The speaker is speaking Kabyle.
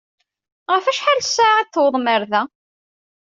Ɣef acḥal ssaɛa i d-tewwḍem ar da?